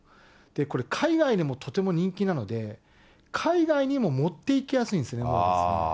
これ、海外でもとても人気なので、海外にも持って行きやすいんですね。